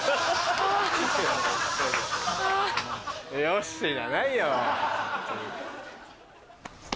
「よっし」じゃないよ。